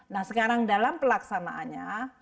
nah sekarang dalam pelaksanaannya